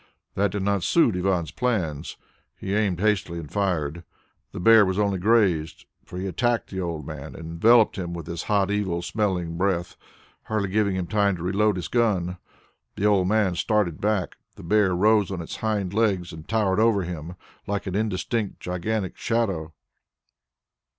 That did not suit Ivan's plans; he aimed hastily and fired. The bear was only grazed, for he attacked the old man, and enveloped him with his hot evil smelling breath, hardly giving him time to reload his gun. The old man started back; the bear rose on its hind legs and towered over him like an indistinct, gigantic shadow.